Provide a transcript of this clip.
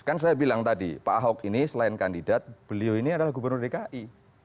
kan saya bilang tadi pak ahok ini selain kandidat beliau ini adalah gubernur dki